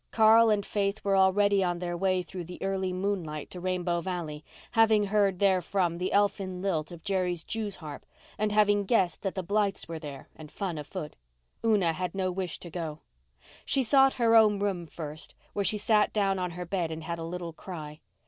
Carl and Faith were already on their way through the early moonlight to Rainbow Valley, having heard therefrom the elfin lilt of Jerry's jews harp and having guessed that the Blythes were there and fun afoot. Una had no wish to go. She sought her own room first where she sat down on her bed and had a little cry.